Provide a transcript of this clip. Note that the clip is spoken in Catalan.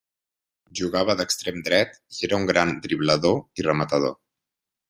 Jugava d'extrem dret i era un gran driblador i rematador.